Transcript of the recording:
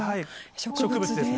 植物ですね。